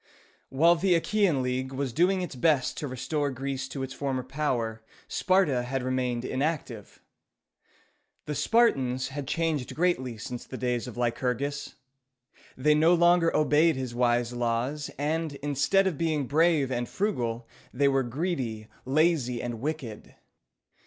While the Achæan League was doing its best to restore Greece to its former power, Sparta had remained inactive. The Spartans had changed greatly since the days of Lycurgus. They no longer obeyed his wise laws, and, instead of being brave and frugal, they were greedy, lazy, and wicked.